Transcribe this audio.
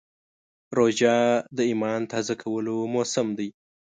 روژه د ایمان تازه کولو موسم دی.